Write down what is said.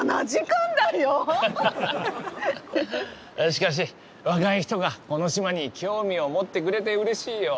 しかし若い人がこの島に興味を持ってくれてうれしいよ。